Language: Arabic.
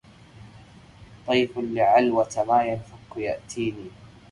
طيف لعلوة ما ينفك يأتيني